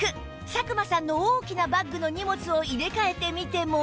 佐久間さんの大きなバッグの荷物を入れ替えてみても